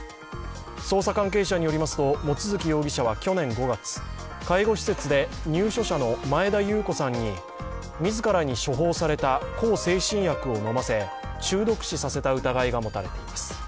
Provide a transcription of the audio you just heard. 捜査関係者によりますと、望月容疑者は去年５月介護施設で入所者の前田裕子さんに自らに処方された向精神薬を飲ませ中毒死させた疑いが持たれています。